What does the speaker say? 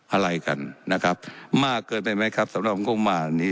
อะไรกันนะครับมากเกินไปไหมครับสำหรับงบประมาณนี้